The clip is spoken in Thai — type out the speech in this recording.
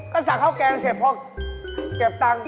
ก็สั่งข้าวแกงเสร็จพอเก็บตังค์